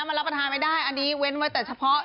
มันรับประทานไม่ได้อันนี้เว้นไว้แต่เฉพาะ